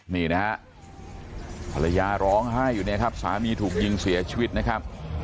นี่นะฮะภรรยาร้องไห้อยู่เนี่ยครับสามีถูกยิงเสียชีวิตนะครับ